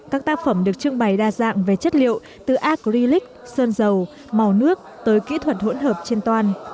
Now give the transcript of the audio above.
các tác phẩm được trưng bày đa dạng về chất liệu từ acrylic sơn dầu màu nước tới kỹ thuật hỗn hợp trên toàn